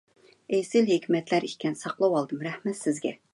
ئېسىل ھېكمەتلەر ئىكەن، ساقلىۋالدىم. رەھمەت سىزگە!